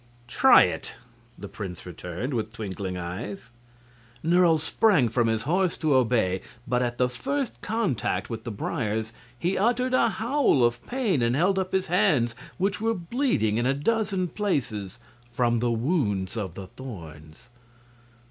"Try it!" the prince returned, with twinkling eyes. Nerle sprang from his horse to obey, but at the first contact with the briers he uttered a howl of pain and held up his hands, which were bleeding in a dozen places from the wounds of the thorns.